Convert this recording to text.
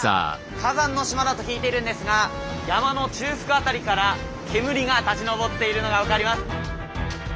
火山の島だと聞いているんですが山の中腹辺りから煙が立ち上っているのが分かります。